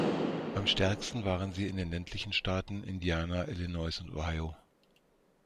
Am stärksten waren sie in den ländlichen Staaten Indiana, Illinois und Ohio.